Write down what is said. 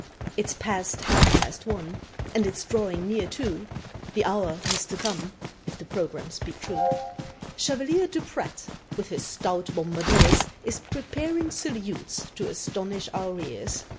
It's past half past one, and it's drawing near two The hour he's to come, if the programme speak true. Chevalier Duprat, with his stout bombardiers, Is preparing salutes to astonish our ears.